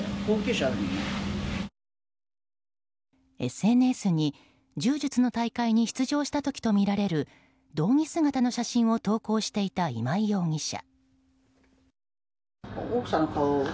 ＳＮＳに、柔術の大会に出場した時とみられる道着姿の写真を投稿していた今井容疑者。